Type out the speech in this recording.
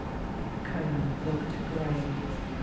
The Colonel looked grave.